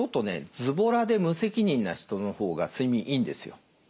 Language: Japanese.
ズボラで無責任な人の方が睡眠いいんですよ。